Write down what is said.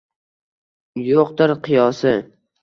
Yo’qdir qiyosi